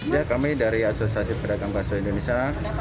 ya kami dari asosiasi pedagang bakso indonesia